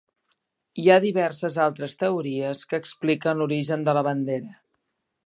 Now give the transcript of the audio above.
Hi ha diverses altres teories que expliquen l'origen de la bandera.